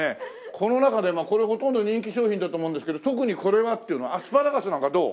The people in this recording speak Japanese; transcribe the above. この中でこれほとんど人気商品だと思うんですけど特にこれはっていうのはアスパラガスなんかどう？